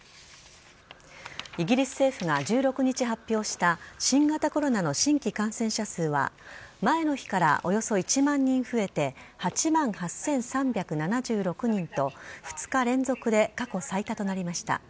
イギリス政府が１６日発表した新型コロナの新規感染者数は前の日からおよそ１万人増えて８万８３７６人と２日連続で過去最多となりました。